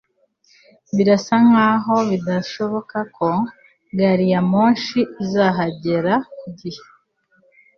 Birasa nkaho bidashoboka ko gari ya moshi izahagera ku gihe